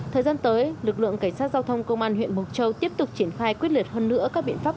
thời gian tới lực lượng cảnh sát giao thông công an huyện mộc châu tiếp tục triển khai quyết liệt hơn nữa các biện pháp